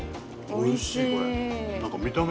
おいしいこれ。